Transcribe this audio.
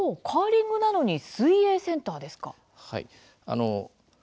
カーリングなのに水泳センターですか？